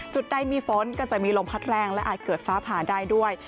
จุดใดมีฝนก็จะมีลมพัดแรงและอาจเกิดฟ้าผ่าได้ด้วย